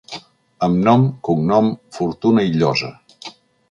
Amb nom, cognom, fortuna i llosa.